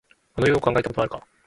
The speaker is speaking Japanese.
あの世を考えたことはあるか。